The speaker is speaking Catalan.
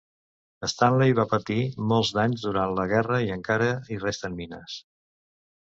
Stanley va patir molts danys durant la guerra i encara hi resten mines.